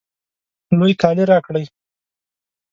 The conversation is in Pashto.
لوی کالی راکړئ